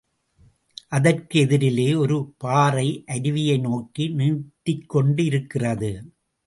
அதற்கு எதிரிலே ஒரு பாறை அருவியை நோக்கி நீட்டிக்கொண்டிருந்தது.